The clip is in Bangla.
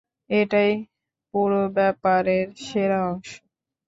এটাই পুরো ব্যাপারের সেরা অংশ।